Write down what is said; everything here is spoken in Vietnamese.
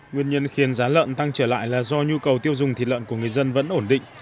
nguyên nhân khiến giá lợn tăng trở lại là do nhu cầu tiêu dùng thịt lợn của người dân vẫn ổn định